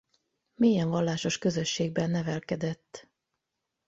Mélyen vallásos közösségben nevelkedett.